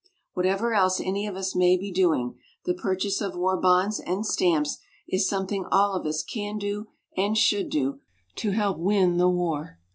Whatever else any of us may be doing, the purchase of war bonds and stamps is something all of us can do and should do to help win the war.